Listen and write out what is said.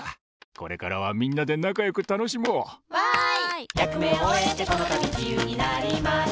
これからはみんなでなかよくたのしもう！わい！